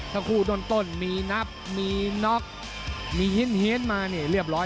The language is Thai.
ทั้งคู่ต้นมีนับมีน็อคมีฮิ้นมาเนี่ยเรียบร้อย